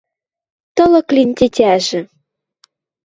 Тылык лин тетяжӹ.